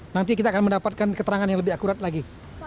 nanti kita akan mendapatkan keterangan yang lebih akurat lagi